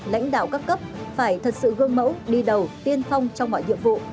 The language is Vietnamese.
lãnh đạo các cấp phải thật sự gương mẫu đi đầu tiên phong trong mọi nhiệm vụ